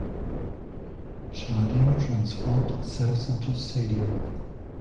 Tchadio transformed itself into Sadio.